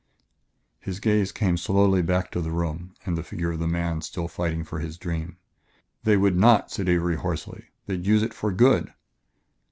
His gaze came slowly back to the room and the figure of the man still fighting for his dream. "They would not," said Avery hoarsely; "they'd use it for good."